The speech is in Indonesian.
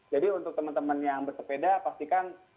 jadi untuk temen temen yang bersepeda pastikan